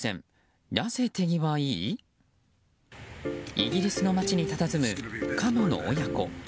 イギリスの街にたたずむカモの親子。